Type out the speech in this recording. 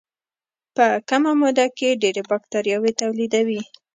په کمه موده کې ډېرې باکتریاوې تولیدوي.